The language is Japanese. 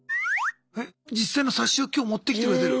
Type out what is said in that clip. え実際の冊子を今日持ってきてくれてる。